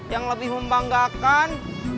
yang lebih membanggakan